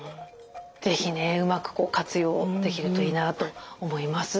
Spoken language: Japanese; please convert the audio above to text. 是非ねうまく活用できるといいなと思います。